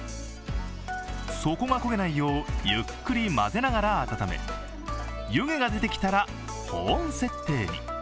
底が焦げないよう、ゆっくり混ぜながら温め湯気が出てきたら保温設定に。